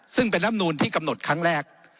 ซึ่งเป็นลำนูนที่กำหนดครั้งแรก